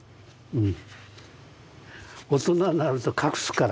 うん。